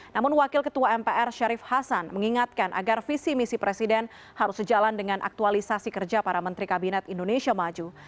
namun wakil ketua mpr syarif hasan mengingatkan agar visi misi presiden harus sejalan dengan aktualisasi kerja para menteri kabinet indonesia maju